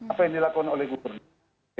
apa yang dilakukan oleh gubernur